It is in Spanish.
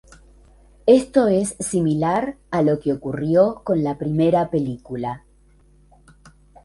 Esto es similar a lo que ocurrió con la primera película.